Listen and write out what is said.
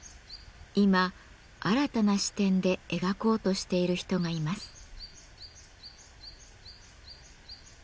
今新たな視点で描こうとしている人がいます。